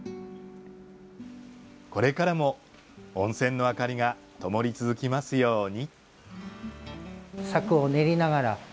これからも温泉の明かりがともり続きますように。